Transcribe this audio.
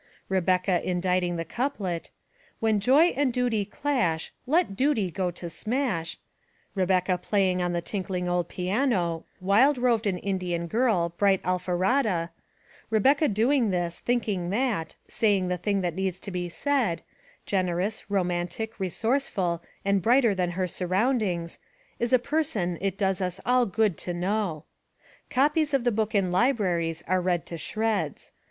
Rebecca inditing the couplet : "When Joy and Duty clash Let Duty go to smash" Rebecca playing on the tinkling old piano, "Wild roved an Indian girl, bright Alfarata," Rebecca doing this, thinking that, saying the thing that needs to be said generous, romantic, resourceful and brighter than her surroundings is a person it does us all good to know. Copies of the book in libraries are read to shreds.